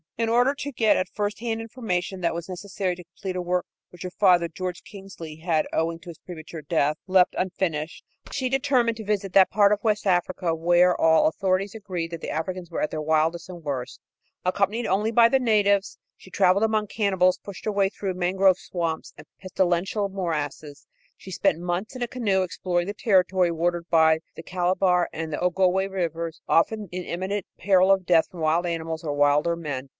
In order to get at first hand information that was necessary to complete a work which her father, George Kingsley, had, owing to his premature death, left unfinished, she determined to visit that part of West Africa "where all authorities agreed that the Africans were at their wildest and worst." Accompanied only by the natives, she travelled among cannibals, pushed her way through mangrove swamps and pestilential morasses. She spent months in a canoe exploring the territory watered by the Calabar and Ogowé rivers, often in imminent peril of death from wild animals or wilder men.